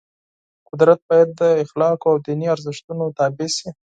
قدرت باید د اخلاقو او دیني ارزښتونو تابع شي.